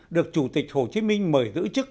được chủ tịch hồ chí minh mời giữ chức